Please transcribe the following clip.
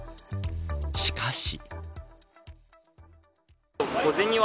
しかし。